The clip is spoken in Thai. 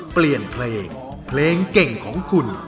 เปลี่ยนเพลงเพลงเก่งของคุณ